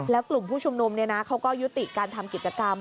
แล้วกลุ่มผู้ชุมนุมเขาก็ยุติการทำกิจกรรม